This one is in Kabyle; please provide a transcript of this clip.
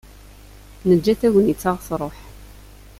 Neǧǧa tagnit ad ɣ-truḥ.